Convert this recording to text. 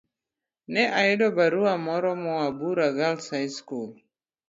Ne ayudo barua moro moa Bura Girls' High School.